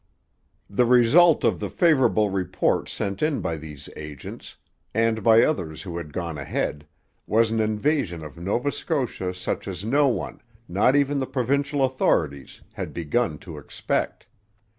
The result of the favourable reports sent in by these agents, and by others who had gone ahead, was an invasion of Nova Scotia such as no one, not even the provincial authorities, had begun to expect.